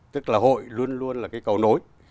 tức là hội luôn luôn là cái cầu nối